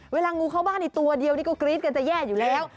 เวลางูเข้าบ้านอีกตัวเดียวนี่ก็กรี๊ดกันจะแย่อยู่แล้ว